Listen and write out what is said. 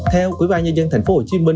theo ủy ban nhân dân tp hcm